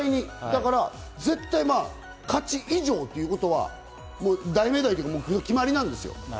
だから絶対、勝ち以上ということは大命題、決まりなんですよ。